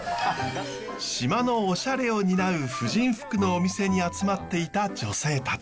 島のおしゃれを担う婦人服のお店に集まっていた女性たち。